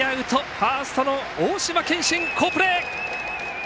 ファーストの大島健真、好プレー！